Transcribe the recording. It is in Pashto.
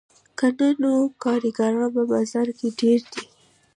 که نه نو کارګران په بازار کې ډېر دي